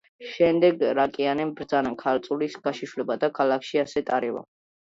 შემდეგ მარკიანემ ბრძანა ქალწულის გაშიშვლება და ქალაქში ასე ტარება.